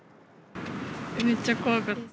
めっちゃ怖かった。